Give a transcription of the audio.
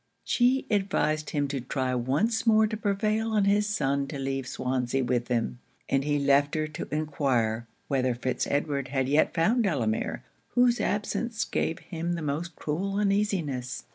She advised him to try once more to prevail on his son to leave Swansea with him; and he left her to enquire whether Fitz Edward had yet found Delamere, whose absence gave him the most cruel uneasiness.